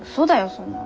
そんなん。